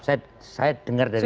saya dengar dari